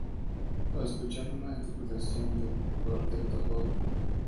Al escuchar una interpretación del cuarteto Op.